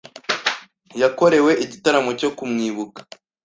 yakorewe igitaramo cyo kumwibuka